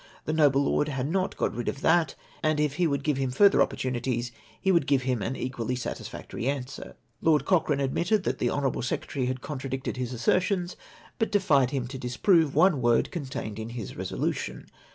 The noble lord had not got rid of that; and if he would give him further opportunities he would give him an equcdly satisfactory answer !" Lord Cochrane admitted that the honourable secretary had contradicted his assertions, but he defied him to disprove one word contained in his resolution.